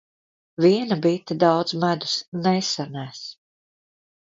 Viena bite daudz medus nesanes.